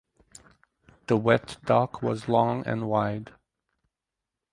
The wet dock was long and wide.